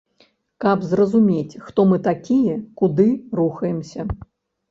Каб зразумець, хто мы такія, куды рухаемся.